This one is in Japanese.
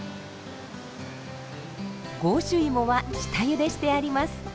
ゴウシュイモは下ゆでしてあります。